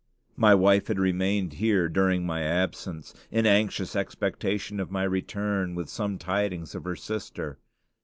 My wife had remained here during my absence, in anxious expectation of my return with some tidings of her sister.